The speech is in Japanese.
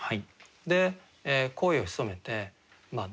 で声を潜めてまあ